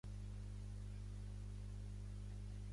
Palacios té el seu celler i les vinyes a Gratallops.